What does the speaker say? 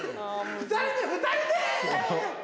２人で、２人で。